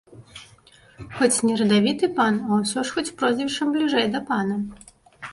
Хоць не радавіты пан, а ўсё ж хоць прозвішчам бліжэй да пана.